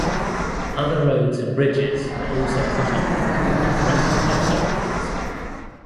Other roads and bridges were also cut off or threatened by floodwaters.